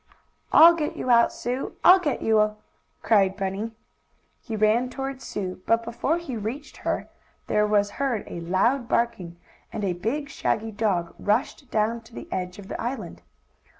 "I'll get you out, Sue! I'll get you!" cried Bunny. He ran toward Sue, but before he reached her there was heard a loud barking, and a big, shaggy dog rushed down to the edge of the island.